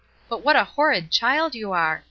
But what a horrid child you are !